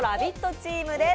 チームです。